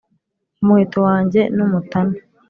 Umuheto wanjye n’umutana